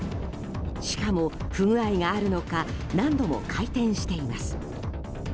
しかも、不具合があるのか何度も回転しています。